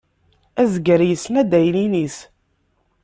Azger yessen adaynin-is.